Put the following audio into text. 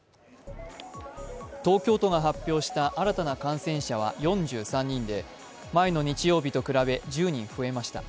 東京都が発表した新たな感染者は４３人で前の日曜日と比べ１０人増えました。